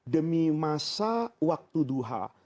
demi masa waktu duhah